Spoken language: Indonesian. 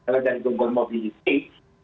dan juga mobilitas